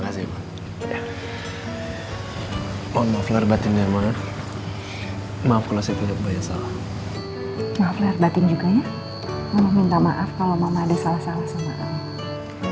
mama minta maaf kalau mama ada salah salah sama kamu